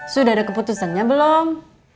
sudah ada keputusannya belum